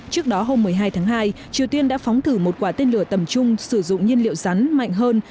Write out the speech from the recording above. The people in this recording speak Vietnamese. trước đó hôm một mươi hai tháng hai triều tiên đã phóng thử một quả tên lửa tầm trung sử dụng nhiên liệu rắn mạnh hơn